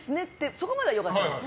そこまでは良かったの。